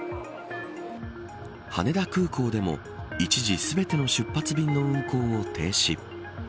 羽田空港でも一時全ての出発便の運航を停止。